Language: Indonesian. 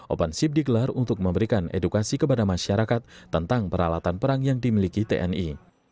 opansip digelar untuk memberikan edukasi kepada masyarakat tentang peralatan perang yang dimiliki tni